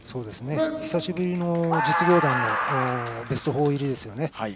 久しぶりの実業団のベスト４入りですね。